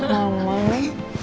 masuk mama ya